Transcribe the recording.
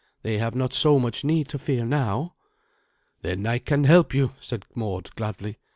They have not so much need to fear now." "Then I can help you," said Mord gladly.